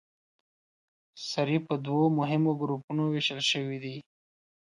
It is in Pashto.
سرې په دوو مهمو ګروپونو ویشل شوې دي.